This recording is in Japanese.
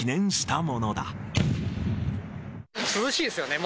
涼しいですよね。